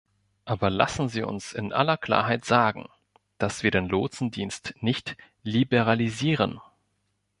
Aber lassen Sie uns in aller Klarheit sagen, dass wir den Lotsendienst nicht liberalisieren.